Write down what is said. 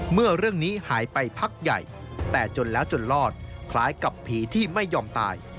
เมื่อเรื่องนี้หายไปพักใหญ่แต่จนแล้วจนรอดคล้ายกับผีที่ไม่ยอมตาย